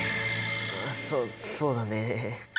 そそうだね。